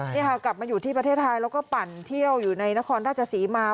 นี่ค่ะกลับมาอยู่ที่ประเทศไทยแล้วก็ปั่นเที่ยวอยู่ในนครราชศรีมา